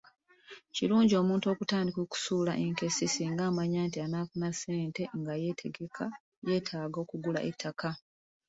Kirungi omuntu okutandika okusuula enkessi singa amanya nti anaafuna ssente nga yeetaaga okugula ettaka.